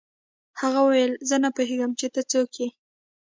هغه وویل زه نه پوهېږم چې ته څوک یې